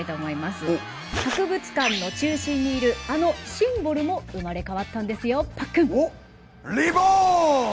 博物館の中心にいるあのシンボルも生まれ変わったんですよパックン。